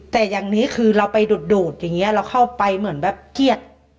แต่อย่างนี้คือเราไปดูดอย่างนี้เราเข้าไปเหมือนแบบเกลียด